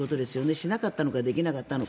しなかったのかできなかったのか。